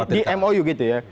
di mou gitu ya